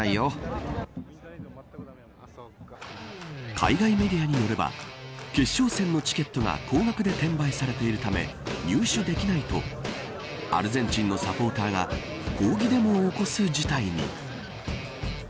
海外メディアによれば決勝戦のチケットが高額で転売されているため入手できないとアルゼンチンのサポーターが抗議デモを起こす事態に。